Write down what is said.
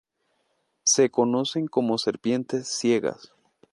Se conocen como serpientes ciegas.